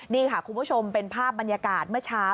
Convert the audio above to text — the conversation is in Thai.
นี่ค่ะคุณผู้ชมเป็นภาพบรรยากาศเมื่อเช้า